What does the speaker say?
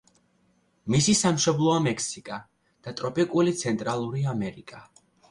მისი სამშობლოა მექსიკა და ტროპიკული ცენტრალური ამერიკა.